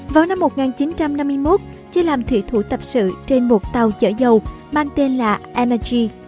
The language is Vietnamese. vào năm một nghìn chín trăm năm mươi một ché làm thủy thủ tập sự trên một tàu chở dầu mang tên là energy